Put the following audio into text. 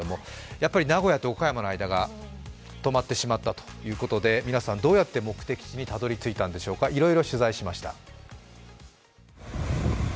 やっぱり名古屋と岡山の間が止まってしまったということで皆さん、どうやって目的地にたどり着いたんでしょうか、いろいろ取材しました。